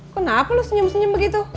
kenapa loh senyum senyum begitu